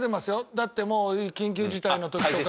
だってもう緊急事態の時とか。